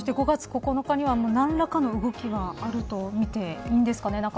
５月９日には何らかの動きがあるとみていいんですかね。